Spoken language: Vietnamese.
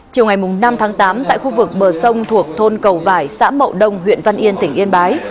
chiều ngày năm tháng tám tại khu vực bờ sông thuộc thôn cầu vải xã mậu đông huyện văn yên tỉnh yên bái